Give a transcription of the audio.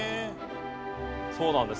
そうなんです。